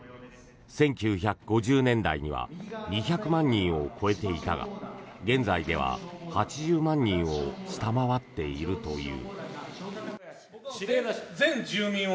１９５０年代には２００万人を超えていたが現在では８０万人を下回っているという。